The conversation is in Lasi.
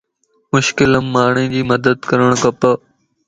مشڪل ام ماڻھي جي مدد ڪرڻ کپا